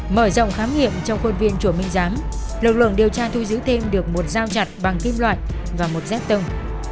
mở rộng khám nghiệm trong khuôn viên chùa minh giám lực lượng điều tra thu giữ thêm được một dao chặt bằng kim loại và một dép tông